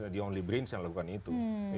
dia only brinz yang lakukan itu